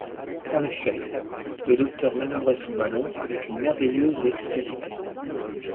En effet, le docteur manœuvrait son ballon avec une merveilleuse dextérité.